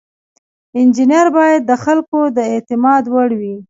انجینر باید د خلکو د اعتماد وړ وي.